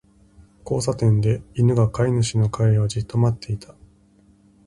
交差点で、犬が飼い主の帰りをじっと待っていた。